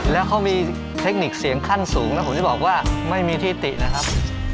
แล้วเขามีเทคนิคเสียงขั้นสูงนะผมจะบอกว่าไม่มีที่ตินะครับ